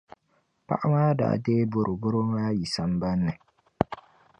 Paɣa maa daa deei boroboro maa yi sambani ni.